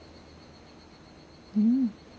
うん。